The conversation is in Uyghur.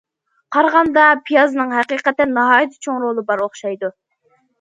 قارىغاندا پىيازنىڭ ھەقىقەتەن ناھايىتى چوڭ رولى بار ئوخشايدۇ.